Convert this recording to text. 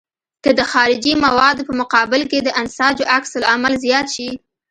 که د خارجي موادو په مقابل کې د انساجو عکس العمل زیات شي.